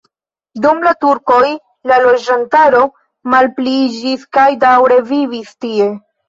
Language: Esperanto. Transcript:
Dum la turkoj la loĝantaro malpliiĝis kaj daŭre vivis tie.